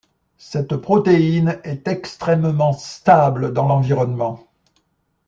Cette protéine est extrêmement stable dans l'environnement.